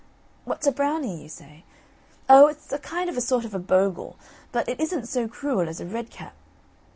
"What's a Brownie?" you say. Oh, it's a kind of a sort of a Bogle, but it isn't so cruel as a Redcap!